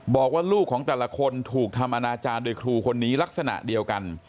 บอกว่าลูกของแต่ละคนถูกทำอนาจารย์โดยครูคนนี้ลักษณะเดียวกัน